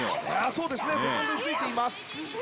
そうですねセコンドについています。